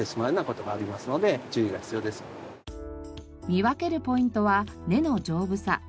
見分けるポイントは根の丈夫さ。